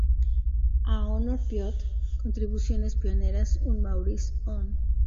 A honor Biot contribuciones pioneras, un Maurice Un.